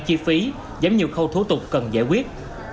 cần giải quyết